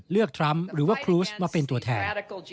ทรัมป์หรือว่าครูสมาเป็นตัวแทน